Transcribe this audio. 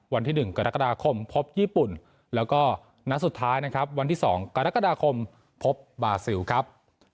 วันที่๑กรกฎาคมพบญี่ปุ่นแล้วก็นัดสุดท้ายนะครับวันที่๒กรกฎาคมพบบาซิลครับ